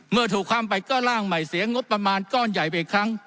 เมื่อถูกความไปก็ร่างใหม่เสียงบประมาณก้อนใหญ่ไปอีกครั้ง